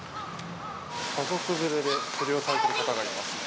家族連れで釣りをされてる方がいますね。